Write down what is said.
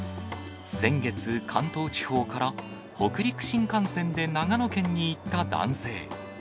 先月、関東地方から北陸新幹線で長野県に行った男性。